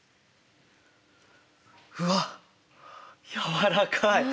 うわっ柔らかい！